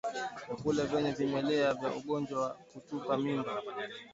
Vyakula vyenye vimelea vya ugonjwa wa kutupa mimba